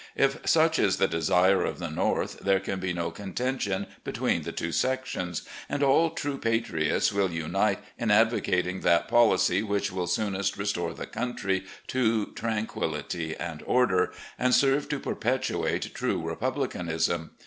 If such is the desire of the North, there can be no contention between the two sections, and all true patriots will unite in advocating that policy which will soonest restore the country to tranquillity and order, and serve to perpetuate true republicanism.